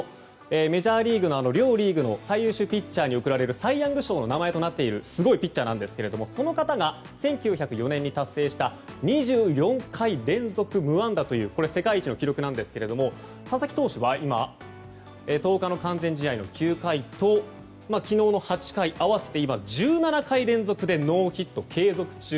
メジャーリーグの両リーグの最優秀ピッチャーに贈られるサイ・ヤング賞の名前になっているすごいピッチャーなんですがその方が１９０４年に達成した２４回連続無安打というこれは世界一の記録なんですが佐々木投手は今１０日の完全試合の９回と昨日の８回合わせて１７回連続でノーヒット継続中。